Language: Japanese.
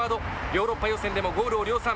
ヨーロッパ予選でもゴールを量産。